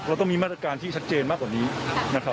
เราต้องมีมาตรการที่ชัดเจนมากกว่านี้นะครับ